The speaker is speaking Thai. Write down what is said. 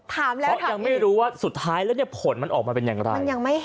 เพราะยังไม่รู้ว่าสุดท้ายเรื่องนี้ผลมันออกมาเป็นอย่างไร